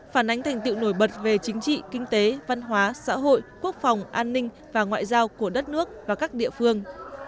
phản ánh thành tiệu nổi bật về chính trị kinh tế văn hóa xã hội quốc phòng an ninh và ngoại giao của đất nước và các địa phương